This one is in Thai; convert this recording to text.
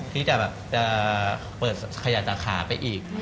ที่จะแบบเปิดขยัดสาขาไปอีก